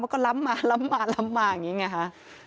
ก็ลำมาลำมาลำมางี้ไงฮะ